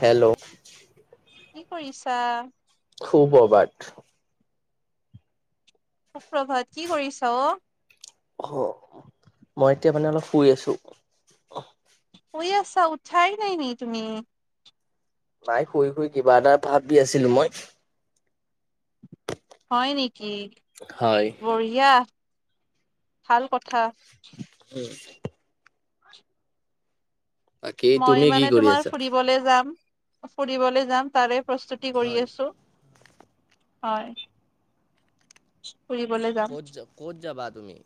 Hello অ সু-প্ৰভাত সুপ্ৰভাত কি কৰিছ। অ মই এতিয়া মানে অলপ শুই আছো শুই আছা উঠাই নাই নি তুমি নাই শুই শুই কিবা এটা ভাবি আছিলো মই হয় নেকি হয় বঢ়িয়া ভাল কথা উম বাকী মই তুমি কি মানে কৰি তোমাৰ আছা ফুৰিবলে যাম। ফুৰিবলৈ যাম তাৰে প্ৰস্তুতি কৰি হয় আছো হয় ফুৰিবলে যাম। ক'ত যাব ক'ত যাবা তুমি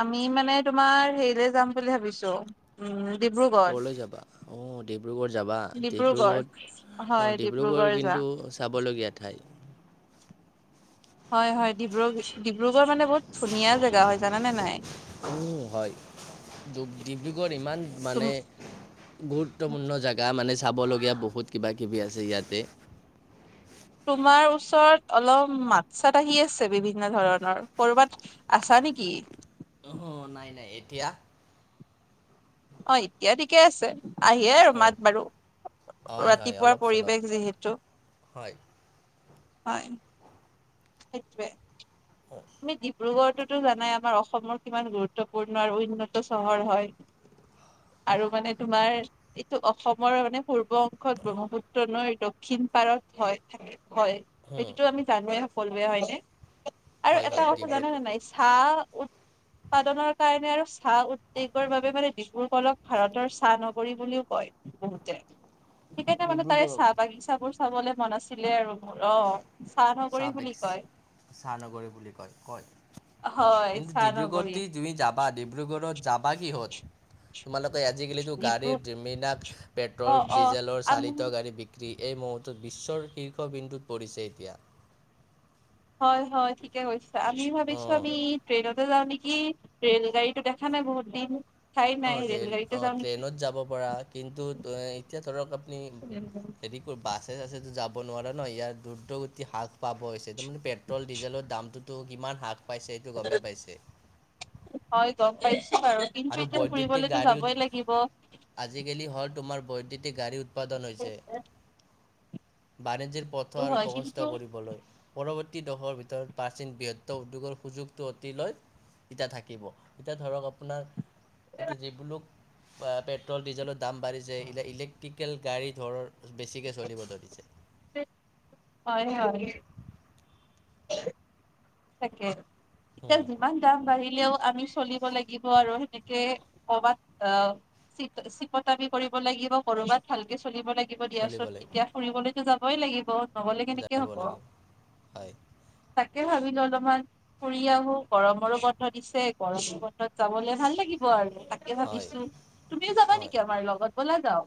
আমি মানে তোমাৰ হেৰিলে যাম বুলি ভাবিছো উম ডিব্ৰুগড়। ক'লৈ যাবা অ ডিব্ৰুগড় যাবা ডিব্ৰুগড় অ হয় ডিব্ৰুগড় কিন্তু যাম। চাবলগীয়া ঠাই হয় হয় ডিব্ৰুগ ডিব্ৰুগড় মানে বহুত ধুনীয়া জেগা হয় জানানে নাই উম হয় ডিব্ৰুগড় ইমান তুম মানে গুৰুত্বপূৰ্ণ জেগা মানে চাবলগীয়া বহুত কিবা কিবি আছে ইয়াতে তোমাৰ ওচৰত অলপ মাত চাত আহি আছে বিভিন্ন ধৰণৰ কৰ'বাত আছা নি কি অহ নাই নাই এতিয়া অ এতিয়া ঠিকে আছে আহিয়ে আৰু মাত অ'কে বাৰু হয় হয় ৰাতিপুৱাৰ অলপ চলপ পৰিৱেশ যিহেতু হয় হয় সেইটোৱে তুমি ডিব্ৰুগড় তো জানাই আমাৰ অসমৰ কিমান গুৰুত্বপূৰ্ণ আৰু উন্নত চহৰ হয় আৰু মানে তোমাৰ এইটো অসমৰ মানে পূৰ্ব অংশত ব্ৰহ্মপুত্ৰ নৈৰ দক্ষিণ পাৰত হয় হয় সেইটোতো আমি জানোৱে সকলোৱে হয় ন আৰু হয় এটা হয় কথা ডিব্ৰুগড় জানা নে নাই চাহ উৎপাদনৰ কাৰণে আৰু চাহ উদ্যোগৰ বাবে মানে ডিব্ৰুগড়ক ভাৰতৰ চাহ নগৰী বুলিও কয় বহুতে সেইকাৰণে মানে তাৰে ডিব্ৰুগড়ক চাহ বাগিচা বোৰ চাবলে মন আছিলে আৰু অ চাহ নগৰী বুলি কয় মহানগৰী বুলি কয় কয় হয় কিন্তু চাহ নগৰী ডিব্ৰুগড়ত তুমি যাবা ডিব্ৰুগড়ত যাব কিহ'ত তোমালোকে আজিকালিতো ডিব্ৰু গাড়ীৰ যিমিনাক অ পেট্ৰল অ ডিজেলৰ আমি চালিত গাড়ী বিক্ৰী এই মুহুৰ্তত বিশ্বৰ শীৰ্ষবিন্দুত পৰিছে এতিয়া হয় হয় ঠিকে কৈছে আমি ভাবিছো অঁ আমি ট্ৰেইনতে যাওঁ নেকি কি ৰেল গাড়ীতো দেখা নাই বহুত দিন অ নাই ৰেল ট্ৰেইন গাড়ীতে অ যাওঁ নেকি ট্ৰেইনত যাব পৰা কিন্তু এতিয়া ধৰক আপুনি। সেদিকৰ বাছ। ছেতো যাব নোৱাৰা ন ইয়াৰ দুৰ্গতি হ্ৰাস পাব হৈছে তাৰ মানে পেট্ৰল ডিজেলৰ দামটো। তো কিমান হ্ৰাস পাইছে এইটো গমেই পাইছে। হয় গম পাইছো বাৰু কিন্তু আৰু এতিয়া বৈদ্যুতিক ফুৰিবলেতো গাড়ী যাবই উৎ- লাগিব। আজিকালি হ'ল তোমাৰ বৈদ্যুতিক গাড়ী উৎপাদন হৈছে। বাণিজ্যৰ পথ আৰু হয় প্ৰশস্থ কিন্তু কৰিবলৈ পৰৱ। বৰ্তী দশৰ ভিতৰত প্ৰাচীন বৃহত্ত উদ্যোগৰ সুযোগটো অতি লয়। এতিয়া থাকিব এতিয়া ধৰক আপোনাৰ এতিয়া যিহলো। পেট্ৰল ডিজেলৰ দাম বাঢ়িছে এই ইলেক্ট্ৰিকেল গাড়ী ধৰ বেছিকে চলিব ধৰিছে। হয় হয়। তাকে এতিয়া উম, যিমান দাম বাঢ়িলেও। আমি চলিব লাগিব আৰু সেনেকে কবাত চ চিকতামি কৰিব লাগিব। লাগিব কৰবাত ভালকে চলিব লাগিব দিয়া চলিব চোন লাগিব, এতিয়া ফুৰিবলৈতো যাবই লাগিব। নগলে কেনেকে যাব হব লাগিব। হয়, তাকে ভাবি। অলপমান ফুৰি আহো গৰমৰো বন্ধ দিছে গৰমৰ বন্ধত যাবলে ভাল লাগিব আৰু। তাকে হয়, ভাবিছো তুমিও যাবা নেকি আমাৰ লগত বলা যাও।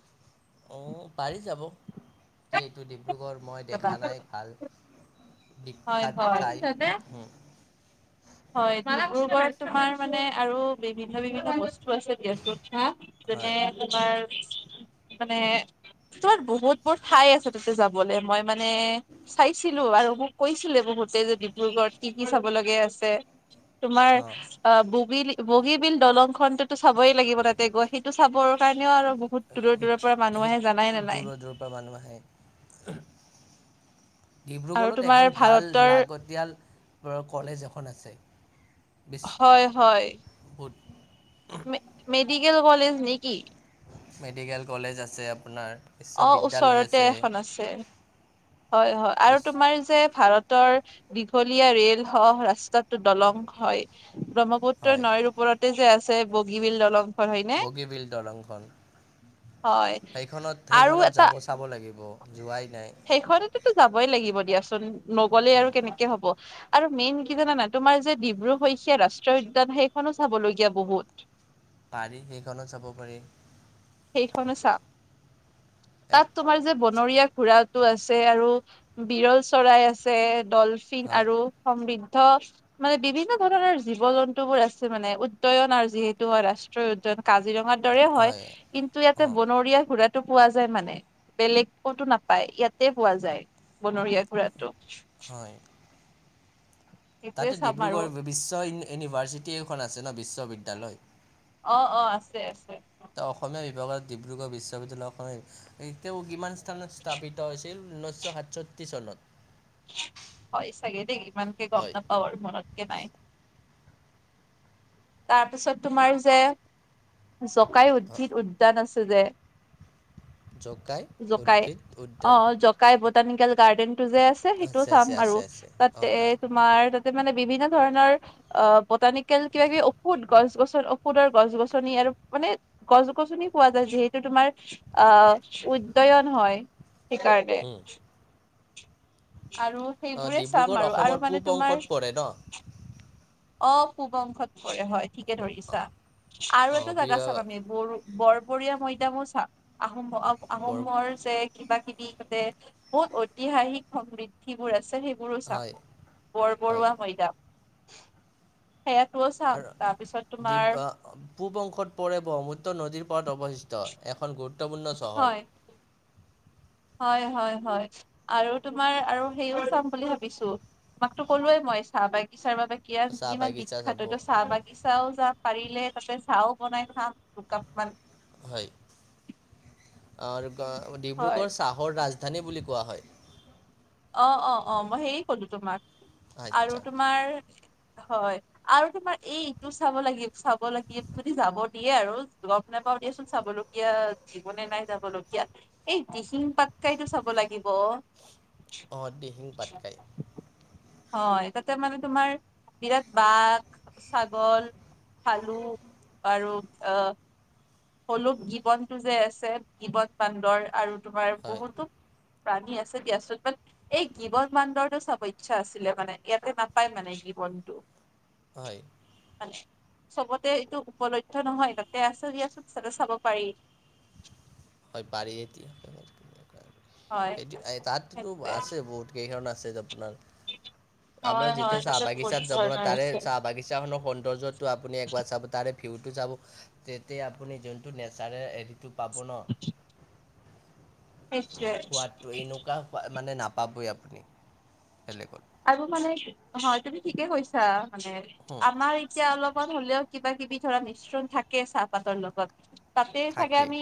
অ পাৰি যাব দ এইটো ডিব্ৰুগড়। মই যাবা দেখা নাই ভাল হয় বিখ্যাত হয় ঠাই। হয় ডিব্ৰুগড় তোমাৰ মানে আৰু বিভিন্ন বিভিন্ন বস্তু। আছে দিয়া চোন যেনে তোমাৰ। উ। মানে। তোমাৰ বহুত বহুত ঠাই আছে তাতে যাবলে মই মানে চাইছিলো আৰু মোক কৈছিলে বহুত। গোতেই যে ডিব্ৰুগড়ত কি কি চাব লগীয়া আছে। তোমাৰ অঁ। অ ববী। বগীবিল দলং খনতেতো চাবই লাগিব তাতে সেইটো চাবৰ কাৰণেও আৰু। বহুত দূৰৰ দূৰৰ সেইটো পৰা মানুহ সেই আহে জানাই নে নাই দূৰৰ দূৰৰ পৰা মানুহ আহে। আৰু ডিব্ৰুগড়ত তোমাৰ এখন ভাল ভাৰতৰ লাগতিয়াল কলেজ এখন আছে। বিচ হয় হয়। বহুত মেডিকেল কলেজ নেকি। মেডিকেল কলেজ আছে আপোনাৰ। অ বিশ্ববিদ্যালয় ওচৰতে আছে এখন আছে হয় হয় আৰু বিচ তোমাৰ যে ভাৰত। দীঘলীয়া ৰেল স ৰাস্তাত। দলং হয় ব্ৰহ্মপুত্ৰ হয় নৈৰ ওপৰতে যে আছে বগীবিল দলং। বগীবিল দলংখন হয় সেইখনত সেইখনত যাব চাব লাগিব। জোৱাই। সেইখনততো যাবই লাগিব দিয়াচোন নগলে আৰু উম, কেনেকে হব। আৰু মেইন কি জানানাই তোমাৰ যে ডিব্ৰু শইকীয়া ৰাষ্ট্ৰীয় উদ্যান সেইখনো চাবলগীয়া বহুত। পাৰি সেইখনত চাব পাৰি। সেইখনো চা এক তাত তোমাৰ যে বনৰীয়া ঘোঁৰা। টো আছে আৰু বিৰল চৰাই আছে ডলফিন হয় আৰু সমৃন্দ। মানে বিভিন্ন ধৰণৰ জীৱ জন্তুবোৰ আছে মানে উদ্য়ন আৰু যিহেতু হয় ৰাষ্ট্ৰীয় উদ্য়ন। কাজিৰঙাৰ দৰে হয় কিন্তু ইয়াতে অ বনৰীয়া ঘুৰা। টো পোৱা যায় মানে বেলেগ কতো নাপায় ইয়াতে পোৱা যায় বনৰীয়া গুৰাত। তটো। হয় তাতে চাম আৰু ডিব্ৰুগড় বিশ্ব ইউনিভাৰচিটি এখন আছে ন বিশ্ববিদ্যালয়। অ অ আছে আছে। ত অসমীয়া বিভাগত ডিব্ৰুগড় বিশ্ববিদ্যালয় তেওঁ কিমান। কিমান চনত স্থাপিত হৈছিল ঊনৈছশ সাতষষ্ঠি চনত। হয়, চাগে দেই ইমানকে গম হয় নাপাও মনতকে নাই। তাৰপিছত তোমাৰ যে জকাই উদ্ভিদ উদ্যান আছে তু যে জকাই জকাই উদ্ভিদ অ উদ্যান। জকাই বটানিকেল গাৰ্ডেনটো যে আছে সেইটো চাম আছে আৰু আছে আছে তাতে অঁ তাত তোমাৰ তাতে মানে বিভিন্ন ধৰণৰ বতানিকেল কিবা- কিবি ঔষুধ গছ- গছনি- ঔষধৰ গছ -গছনি আৰু মানে গছ- গছনি পোৱা যায় যিহেতু তোমাৰ আহ উদদয়ন হয় সেইকাৰণে। আৰু অঁ সেইবোৰে চাম ডিব্ৰুগড় আৰু আৰু অসমৰ মানে পূব তোমাৰ অংশত পৰে ন অহ, পূবংশত পৰে হয় ঠিকে ধৰিছা আৰু অঁ এটা জাগা চাম আমি বঢ়ো বৰবৰীয়া মৈদামো চাওঁ আহোম আহ বৰ আহোমৰ যে কিবা - কিবি তে বহুত ঐতিহাসিক সমৃদ্ধিবোৰ আছে সেই বাৰো চাম, হয় হয় বৰবৰুৱা মৈদাম। সেয়াটোও [unintelligible] চাম তাৰপিছত তোমাৰ পূব অংশত পৰে ব্ৰহ্মপুত্ৰ নদীৰ পাৰত অৱস্থিত। এখন গুৰুত্বপূৰ্ণ চহৰ হয় হয় -হয় -হয় আৰু তোমাৰ আৰু সেইও চাম বুলি ভাবিছো তোমাকতো ক'লোৱেই মই চাহ বাগিচাৰ বাবে চাহ বাগিচা চাব [unintelligible] চাহ বাগিচাও যাম পাৰিলে তাতে চাও বনাই খাম দুকাপ মান। হয়, অহ ৰবা হয় ডিব্ৰুগড় চাহৰ ৰাজ ৰাজধানী বুলি কোৱা হয়। অ', -অ', -অ', মই সেয়ে কলো তোমাক আৰু আচ্ছা তোমাৰ হয়, আৰু তোমাৰ এইটো চাব লাগিব -চাব লাগিব যদি যাব দিয়ে আৰু পাও দিয়াচোন চাবলগীয়া জীৱনে নাই যাব লগীয়া এই দিহিং পাটকাইতো চাব লাগিব অহ, দিহিং পাটকাই। হয়। তাতে মানে তোমাৰ বিৰাট বাঘ, ছাগল খালো আৰু আহ হলোক গীৱনটো যে আছে গীবন বান্দৰ আৰু তোমাৰ হয় বহুতো প্ৰাণী আছে দিয়াচোন। এই গীৱন বান্দৰটো চাব ইচ্ছা আছিলে মানে ইয়াতে নাপায় মানে। গীৱনটো হয়। চবতে এইটো উপলধ্য নহয়। তাতে আছে দিয়াচোন চালে চাব পাৰি। হয় পাৰি এতিয়া, হয় সেইটোৱে তাতটো সেইটোৱে আছে বহুত কেইখন আছ চেছ আপোনাৰ আপোনাৰ হয় হয় যেতিয়া চাহ তাতে বহুত বাগিচাত যাব ন' ধৰণৰ তাৰে আছে চাহ -বাগিচা খনৰ সৌন্দৰ্যটো আপুনি একবাৰ চাব তাৰে ভিউটো যাব তেতিয়া আপুনি যোনটো নেচাৰেল হেৰিটো পাব ন', [inaudible] সেইটোৱে সোৱাদটো এনেকুৱা মানে নাপাবই আপুনি বেলেগত। আৰু মানে হয় তুমি ঠিকে কৈছা মানে হুম, আমাৰ এতিয়া অলপ সুৱাদ হ'লেও কিবা -কিবি ধৰা মিশ্ৰণ থাকে চাহপাতৰ লগত তাতে চাগে থাকে আমি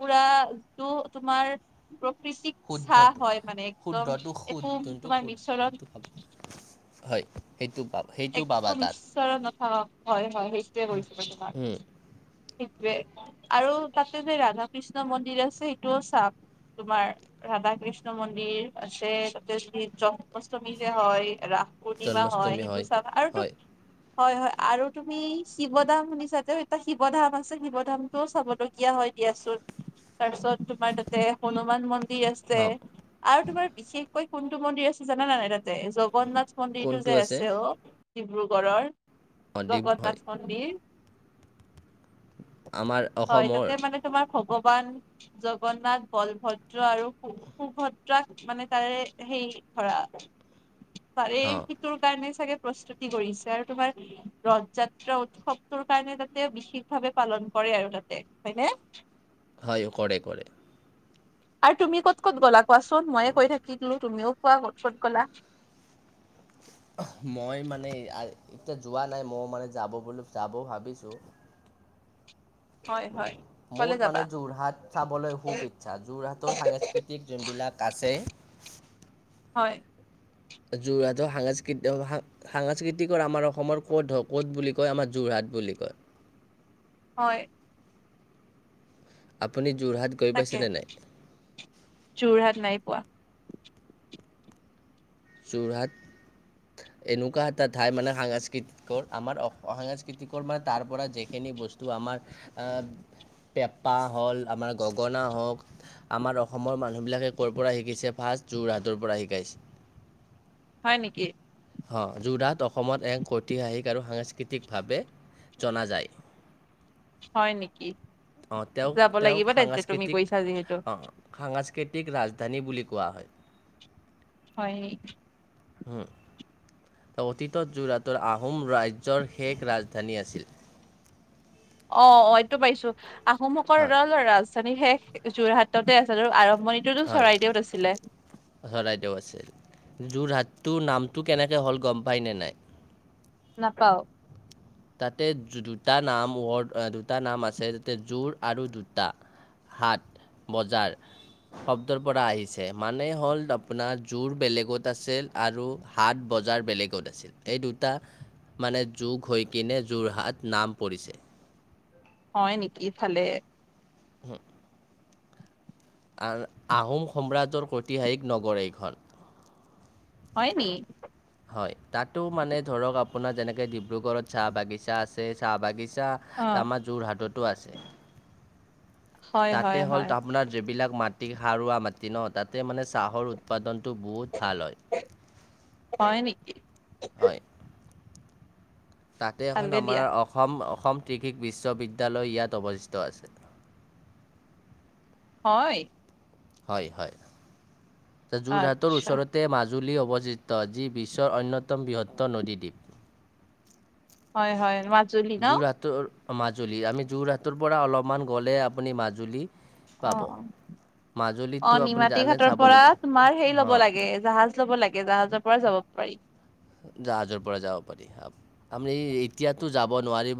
পুৰাটো তোমাৰ কৃষিক চাহ শুদ্ধটো হয় মানে একদম শুদ্ধটো শুদ একো যোনটো তোমাৰ মিচৰণ শুদ্ধটো পাব হয়। সেইটো পাব সেইটো একো পাবা তাত মিশ্ৰৰণ নথকা হয় -হয় সেইটোৱে কৈছোঁ মানে তাক। সেইটোৱে আৰু তাতে যে ৰাধা কৃষ্ণ মন্দিৰ আছে সেইটোও চাম। তোমাৰ ৰাধা কৃষ্ণ মন্দিৰ আছে তাতে যদি জন্মাষ্টমী যে হয়। ৰাস পূৰ্ণিমা হয় জন্মাষ্টমী সেটো চাবা আৰুটো হয় হয়- হয় আৰু তুমি শিৱ ধাম শুনিছাতো এটা শিৱ ধাম আছে শিৱ ধামটোও চাবলগীয়া হয়। দিয়াচোন তাৰপিছত তোমাৰ তাতে হনুমান মন্দিৰ মন্দিৰ আছে অঁ আৰু তোমাৰ বিশেষকৈ কোনটো মন্দিৰ আছে জানা না নাই তাঁত? যে জগন্নাথ মন্দিৰটো যে আছে অহ ডিব্ৰুগড়ৰ অঁ ডিব হয় জগন্নাথ মন্দিৰ। আমাৰ হয় অসমৰ তাতে মানে তোমাৰ খব ভগৱান জগন্নাথ বলভদ্ৰ আৰু সুভদ্ৰাক মানে তাৰে সেই ধৰা, তাৰে অঁ কি তোৰ চাগে প্ৰস্তুতি কৰিছে আৰু তোমাৰ, ৰথ যাত্ৰা উৎসৱটোৰ কাৰণে তাতে বিশেষ ভাৱে পালন কৰে আৰু তাতে, হয়নে? হয়, কৰে কৰে। আৰু তুমি ক'ত ক'ত গ'লা কোৱাচোন, মইয়ে কই থাকিলো তুমিও কোৱা ক'ত ক'ত গ'লা? অহ। মই মানে আ এতিয়া যোৱা নাই ম মানে যাব বুলি যাব ভাবিছোঁ। হয় হয়। কলে মোৰ যাবা মানে যোৰহাট চাবলৈ খুব ইচ্ছা যোৰহাটৰ সাংস্কৃতিক যোনবিলাক আছে হয়। যোৰহাটৰ সাংস্কৃতি-সাংস্কৃতিকৰ আমাৰ অসমৰ ক'ত হ ক'ত বুলি কয় আমাৰ যোৰহাট। বুলি কয়। হয়। আপুনি যোৰহাট গৈ তাকে, পাইছেনে নাই যোৰহাট নাই পোৱা। যোৰহাট এনেকুৱা এটা ঠাই মানে সাংস্কৃতিকৰ আমাৰ অ', সাংস্কৃতিকৰ মানে তাৰ পৰা যিখিনি বস্তু আমাৰ, আ পেঁপা হ'ল আমাৰ গগনা হওক আমাৰ অসমৰ মানুহবিলাকে ক'ৰ পৰা শিকিছে ভা যোৰহাটৰ পৰা শিকাইছে। হয় নেকি? হ যোৰহাট অসমত এক ঐতিহাসিক আৰু সাংস্কৃতিকভাৱে জনা যায়। হয় নেকি? অ', তেওঁ যাব ম-তেওকঁ লাগিব তেন্তে তুমি সাংস্কৃতিক কৈছা যিহেতু অ', সাংস্ক কৃতিক ৰাজধানী বুলি কোৱা হয়। হয়। হুম। অতীতত যোৰহাটৰ আহোম ৰাজ্যৰ শেষ ৰাজধানী আছিল অ', অ', এইটো পাইছো, আহোম সকৰ [unintelligible] হয় ৰাজধানী সে যোৰহাটতে আছে আৰু আৰব হয়, চৰাইদেউ আছে, যোৰহাট টোৰ নামটো কেনেকৈ হ'ল গম পাই নে নাই? নাপাও। তাতে দুটা নাম ৱৰ্ড দুটা নাম আছে তাতে জোৰ আৰু দুটা। সাত বজাৰ, শব্দৰ পৰা আহিছে মানে হ'ল আপোনাৰ জোৰ বেলেগত আছিল। আৰু হাত বজাৰ বেলেগত আছিল, এই দুটা মানে যোগ হৈ কিনে যোৰহাট নাম পৰিছে। হয় নেকি ইফালে। হুম। আৰু আহোম সম্ৰাজ্যৰ ঐতিহাসিক নগৰ এইখন। হয় নি? হয় তাতো মানে ধৰক আপোনাৰ যেনেকে ডিব্ৰুগড়ত চাহ বাগিছা আছে চাহ বাগি চাহ, অ আমাৰ যোৰহাটতো আছে। হয় তাতে হয় হ'ল হয় আপোনাৰ যিবিলাক মাটি সাৰুৱা মাটি ন তাতে মানে চাহৰ উৎপাদন টো বহুত ভাল হয়। হয় নেকি? হয়। তাতে এখন ভালে আমাৰ দিয়া অসম অসম কৃষি বিশ্ববিদ্যালয় ইয়াত অৱস্থিত আছে। হয় হয় হয় যোৰহাটৰ আচ্ছা ওচৰতে মাজ জুলি অৱস্থিত যি বিশ্বৰ অন্যতম বৃহত্তৰ নদীদ্বীপ। হয় হয় মা- যোৰহাটৰ মাজুলী আমি যোৰহাটৰ পৰা অলপমান গ'লে আপুনি মাজুলী অ অ পাব। মাজুলীততো অ আপুনি নিমাতী জানে ঘাটৰ পৰা চাবলগীয়া তোমাৰ সেই অ লব লাগে জাহাজ লব লাগে জাহাজৰ পৰা যাব পাৰি। জাহাজৰ পৰা যাব পাৰি আপুনি এতিয়াতো যাব নোৱাৰিব।